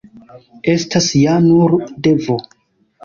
Estas ja nur devo.